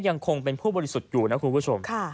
ยังคงเป็นผู้บริสุทธิ์อยู่นะคุณผู้ชม